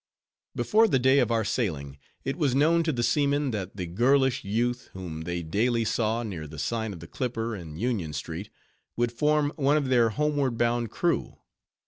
Before the day of our sailing, it was known to the seamen that the girlish youth, whom they daily saw near the sign of the Clipper in Union street, would form one of their homeward bound crew.